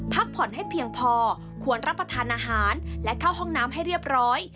พักผ่อนให้เพียงพอควรรับประทานอาหารและเข้าห้องน้ำให้เรียบร้อย